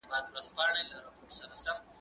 دا لیک له هغه مهم دی